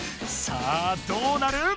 さあどうなる？